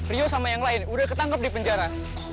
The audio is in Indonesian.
rio sama yang lain udah ketangkep di penjara